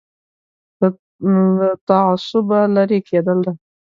له تعصبه لرې کېدل ده.